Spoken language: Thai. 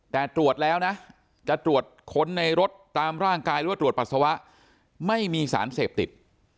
แต่ตรวจแล้วนะจะตรวจค้นในรถตามร่างกายหรือว่าตรวจปัสสาวะไม่มีสารเสพติด